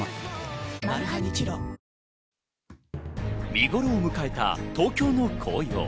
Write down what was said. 見頃を迎えた東京の紅葉。